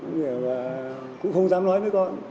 nghĩa là cũng không dám nói với con